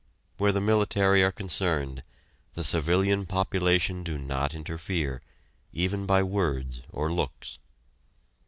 Where the military are concerned, the civilian population do not interfere, even by words or looks.